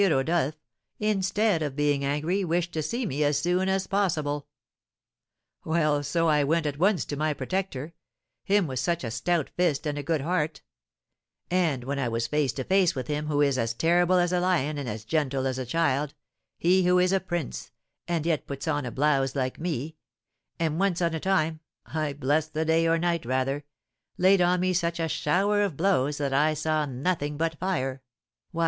Rodolph, instead of being angry, wished to see me as soon as possible. Well, so I went at once to my protector, him with such a stout fist and good heart, and when I was face to face with him he who is as terrible as a lion and as gentle as a child he who is a prince, and yet puts on a blouse like me and once on a time (I bless the day, or night, rather) laid on me such a shower of blows that I saw nothing but fire, why, M.